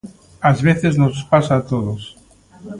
Ás veces nos pasa a todos.